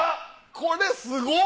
これすごっ！